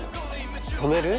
止める？